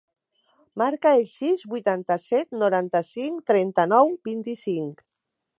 Marca el sis, vuitanta-set, noranta-cinc, trenta-nou, vint-i-cinc.